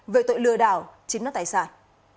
về tội lừa đảo chiếm đoạt tài sản